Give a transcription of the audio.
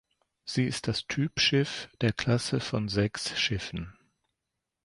Sie ist das Typschiff der Klasse von sechs Schiffen.